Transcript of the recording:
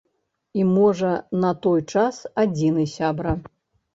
І, можа, на той час адзіны сябра.